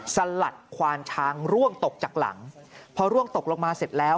สลัดควานช้างร่วงตกจากหลังพอร่วงตกลงมาเสร็จแล้ว